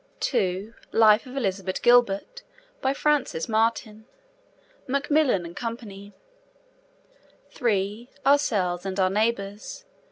(2) Life of Elizabeth Gilbert. By Frances Martin. (Macmillan and Co.) (3) Ourselves and Our Neighbours.